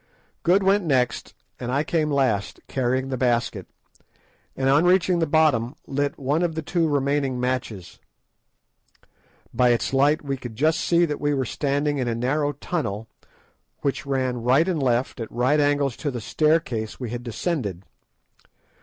Good went next, and I came last, carrying the basket, and on reaching the bottom lit one of the two remaining matches. By its light we could just see that we were standing in a narrow tunnel, which ran right and left at right angles to the staircase we had descended.